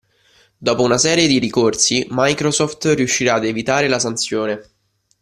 Dopo una serie di ricorsi Microsoft riuscirà ad evitare la sanzione.